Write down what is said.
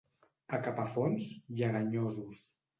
A Capafonts, lleganyosos.